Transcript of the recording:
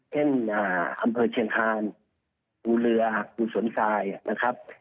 เช่นอ่าอำเภอเชียงทานหูเรือหูสวนทรายนะครับ